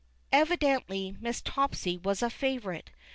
Evidently, Miss Topsy was a favorite.